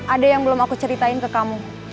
ada yang belum aku ceritain ke kamu